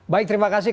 baik terima kasih